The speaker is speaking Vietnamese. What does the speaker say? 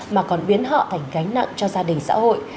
mà còn biến họ thành gánh nặng cho gia đình xã hội